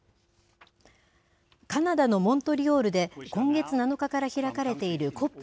カナダのモントリオールで今月７日から開かれているＣＯＰ